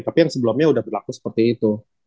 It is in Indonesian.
tapi yang sebelumnya sudah berlaku seperti itu